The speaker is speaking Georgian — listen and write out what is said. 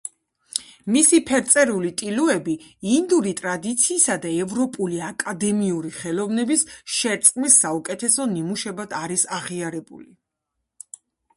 მისი ფერწერული ტილოები ინდური ტრადიციისა და ევროპული აკადემიური ხელოვნების შერწყმის საუკეთესო ნიმუშებად არის აღიარებული.